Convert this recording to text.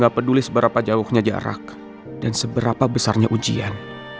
tidak peduli seberapa jauhnya jarak dan seberapa besarnya ujian